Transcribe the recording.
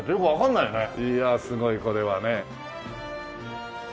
いやすごいこれはね。